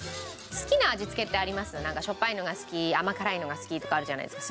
しょっぱいのが好き甘辛いのが好きとかあるじゃないですか。